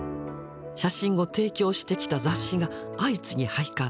写真を提供してきた雑誌が相次ぎ廃刊。